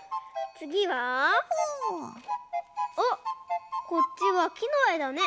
つぎはあっこっちはきのえだね。